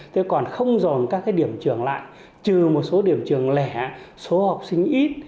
thế còn không dồn các cái điểm trường lại trừ một số điểm trường lẻ số học sinh ít